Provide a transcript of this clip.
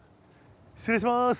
失礼します。